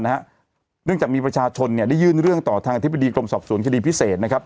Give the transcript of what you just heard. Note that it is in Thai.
เนื่องจากมีประชาชนเนี่ยได้ยื่นเรื่องต่อทางอธิบดีกรมสอบสวนคดีพิเศษนะครับ